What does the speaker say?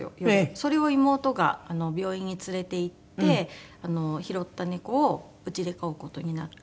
それを妹が病院に連れて行って拾った猫をうちで飼う事になって。